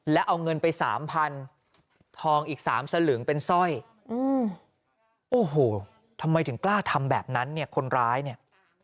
แล้วเอาเงินไปสามพันทองอีก๓สลึงเป็นสร้อยอืมโอ้โหทำไมถึงกล้าทำแบบนั้นเนี่ยคนร้ายเนี่ย